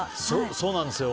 そうなんですよ。